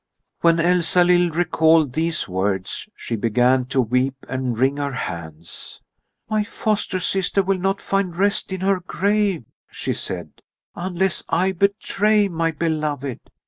When Elsalill recalled these words she began to weep and wring her hands. "My foster sister will not find rest in her grave," she said, "unless I betray my beloved.